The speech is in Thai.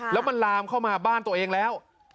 แล้วมันลามเข้ามาบ้านตัวเองแล้ว